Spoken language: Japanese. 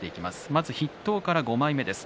まず筆頭から５枚目です。